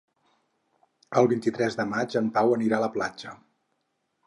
El vint-i-tres de maig en Pau anirà a la platja.